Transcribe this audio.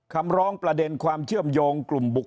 คำร้องประเด็นความเชื่อมโยงกลุ่มบุคค